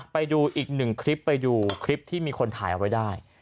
ไปดูอีกหนึ่งคลิปไปดูคลิปที่มีคนถ่ายเอาไว้ได้